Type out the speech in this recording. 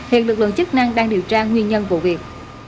hiện lực lượng chức năng đang điều tra nguyên nhân vụ việc